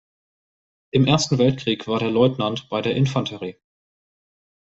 Im Ersten Weltkrieg war er Leutnant bei der Infanterie.